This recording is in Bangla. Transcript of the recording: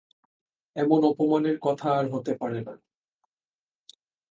এমন অপমানের কথা আর হতে পারে না।